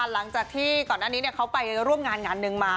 หลังจากที่ก่อนหน้านี้เขาไปร่วมงานงานหนึ่งมา